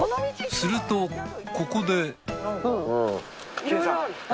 するとここで。